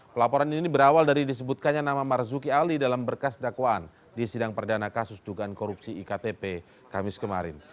pelaporan ini berawal dari disebutkannya nama marzuki ali dalam berkas dakwaan di sidang perdana kasus dugaan korupsi iktp kamis kemarin